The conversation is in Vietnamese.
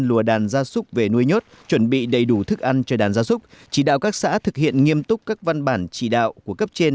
lùa đàn gia súc về nuôi nhốt chuẩn bị đầy đủ thức ăn cho đàn gia súc chỉ đạo các xã thực hiện nghiêm túc các văn bản chỉ đạo của cấp trên